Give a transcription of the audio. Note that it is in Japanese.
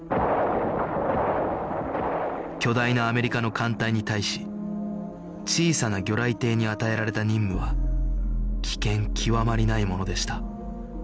巨大なアメリカの艦隊に対し小さな魚雷艇に与えられた任務は危険極まりないものでした